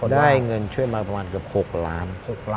ได้เงินช่วยมาประมาณเกือบ๖ล้าน